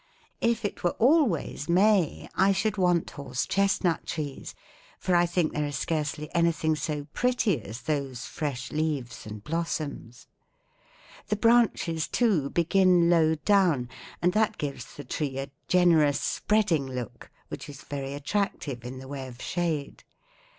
If it were always May, I should want horse chestnut trees; for I think there is scarcely anything so pretty as those fresh leaves and blossoms. The branches, too, begin low down, and that gives the tree a generous spreading look which is very attractive in the way of shade.